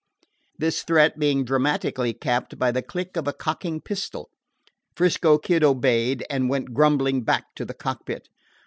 This threat being dramatically capped by the click of a cocking pistol, 'Frisco Kid obeyed and went grumblingly back to the cockpit.